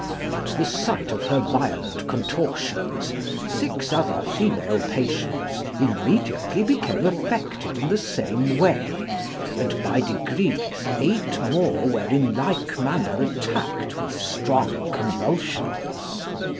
At the sight of her violent contortions six other female patients immediately became affected in the same way, and by degrees eight more were in like manner attacked with strong convulsions.